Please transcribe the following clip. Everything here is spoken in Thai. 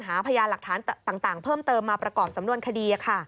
หาพยานหลักฐานต่างเพิ่มเติมมาประกอบสำนวนคดี